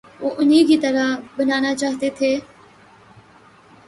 وہ انہی کی طرح بننا چاہتے تھے۔